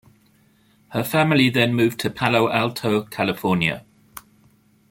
Her family then moved to Palo Alto, California.